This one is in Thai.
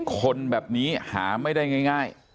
คนแบบนี้หาไม่ได้ง่าย